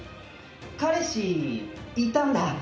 彼氏いたんだ。